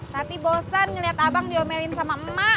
tapi bosan ngeliat abang diomelin sama emak